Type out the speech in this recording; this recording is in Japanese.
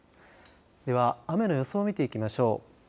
では、雨の予想を見ていきましょう。